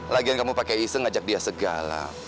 lagian kamu pakai iseng ajak dia segala